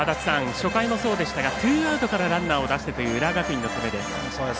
初回もそうでしたがツーアウトからランナーを出してという浦和学院の攻めです。